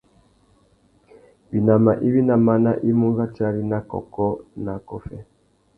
Winama iwí ná máná i mú ratiari nà kôkô nà akôffê.